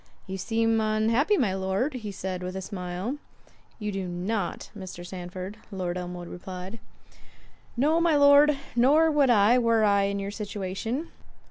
"You seem unhappy, my Lord," said he, with a smile. "You do not—Mr. Sandford," Lord Elmwood replied. "No, my Lord, nor would I, were I in your situation.